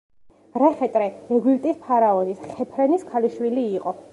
რეხეტრე ეგვიპტის ფარაონის ხეფრენის ქალიშვილი იყო.